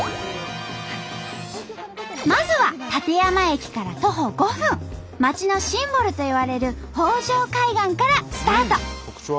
まずは館山駅から徒歩５分町のシンボルといわれる北条海岸からスタート！